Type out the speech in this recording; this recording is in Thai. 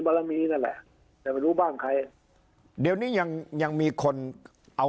บารมีนั่นแหละแต่ไม่รู้บ้านใครเดี๋ยวนี้ยังยังมีคนเอา